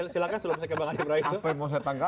silahkan sebelum saya kembangkan